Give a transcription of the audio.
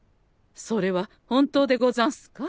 それは本当でござんすか？